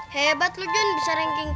hebat legend bisa ranking